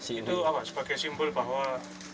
itu sebagai simbol bahwa